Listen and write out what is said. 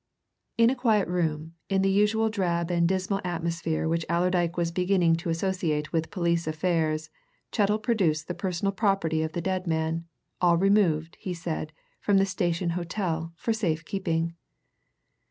In a quiet room in the usual drab and dismal atmosphere which Allerdyke was beginning to associate with police affairs, Chettle produced the personal property of the dead man, all removed, he said, from the Station Hotel, for safe keeping.